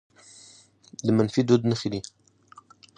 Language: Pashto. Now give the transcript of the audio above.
د منفي دود نښې دي